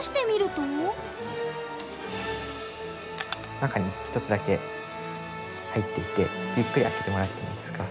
中に一つだけ入っていてゆっくり開けてもらってもいいですか？